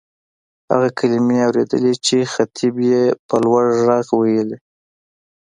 هغه کلیمې اورېدلې چې خطیب به په لوړ غږ وېلې.